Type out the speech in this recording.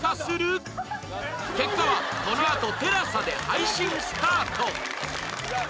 結果はこのあと ＴＥＬＡＳＡ で配信スタート